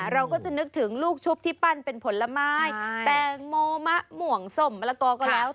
เราก็จะนึกถึงลูกชุบที่ปั้นเป็นผลไม้แตงโมมะหม่วงส้มมะละกอก็แล้ว